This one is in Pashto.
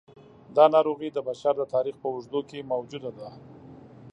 دا ناروغي د بشر د تاریخ په اوږدو کې موجوده ده.